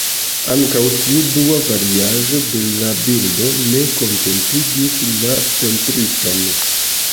Ankaŭ tiu dua variaĵo de la bildo ne kontentigis la pentriston.